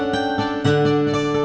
buat amin mana